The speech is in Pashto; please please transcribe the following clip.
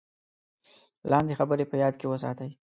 لاندې خبرې په یاد کې وساتئ: